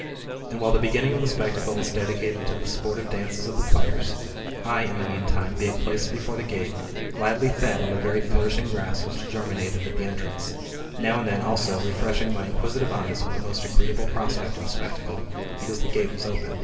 And while the beginning of t^e spectacle was dedicated to the sportive dances of the players, I, in the meantime, being placed before the gate, gladly fed on the very flourishing grass which germinated in the entrance ; now and then, also, refreshing my inquisitive eyes with the most agreeable prospect of the spec tacle, because the gate was open.